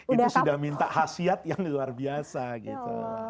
itu sudah minta khasiat yang luar biasa gitu